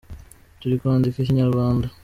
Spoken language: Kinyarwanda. Turi kwandika ikinyarwanda.